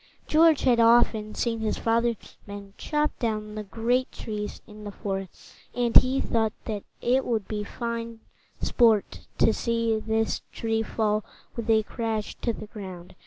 George had often seen his father's men chop down the great trees in the forest, and he thought that it would be fine sport to see this tree fall with a crash to the ground.